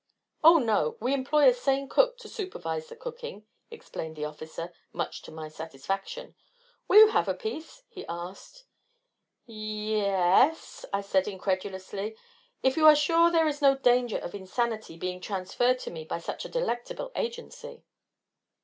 "Oh no, we employ a sane cook to supervise the cooking," explained the officer, much to my satisfaction. "Will you have a piece?" he asked. "Y y y y yes," I said incredulously, "if you are sure there is no danger of insanity being transferred to me by such a delectable agency."